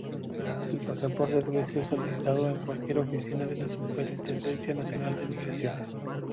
El pasaporte debe ser solicitado en cualquier oficina de la Superintendencia Nacional de Migraciones.